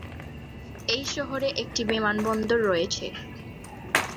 এই শহরটিতে একটি বিমানবন্দর রয়েছে।